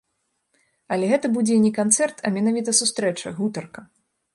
Але гэта будзе і не канцэрт, а менавіта сустрэча, гутарка.